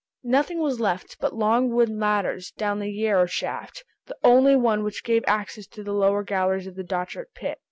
Nothing was left but long wooden ladders, down the Yarrow shaft—the only one which now gave access to the lower galleries of the Dochart pit.